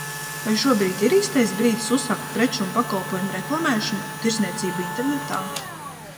Vai šobrīd ir īstais brīdis uzsākt preču un pakalpojumu reklamēšanu, un tirdzniecību internetā?